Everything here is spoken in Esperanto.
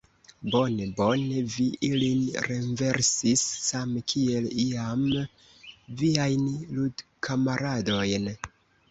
Bone, bone vi ilin renversis, same kiel iam viajn ludkamaradojn!